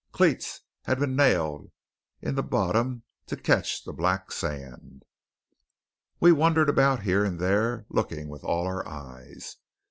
Cleats had been nailed in the bottom to catch the black sand. We wandered about here and there, looking with all our eyes.